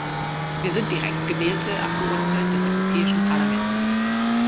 Wir sind direkt gewählte Abgeordnete des Europäischen Parlaments.